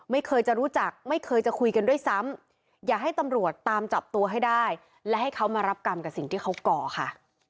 ไม่เคยจะรู้จักไม่เคยจะคุยกันด้วยซ้ำอย่าให้ตำรวจตามจับตัวให้ได้และให้เขามารับกรรมกับสิ่งที่เขาก่อค่ะ